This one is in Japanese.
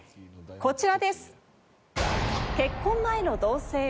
こちらです！